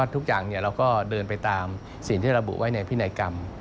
ทุกอย่างเราก็เดินไปตามครูไหว้ในพินายกรรม